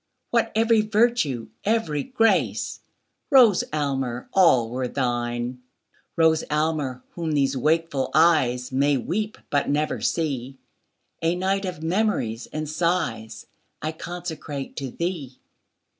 What every virtue, every grace! Rose Aylmer, all were thine. Rose Aylmer, whom these wakeful eyes 5 May weep, but never see, A night of memories and sighs I consecrate to thee.